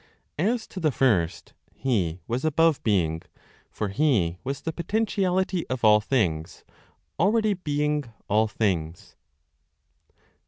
As to the First, He was above being; for He was the potentiality of all things, already being all things.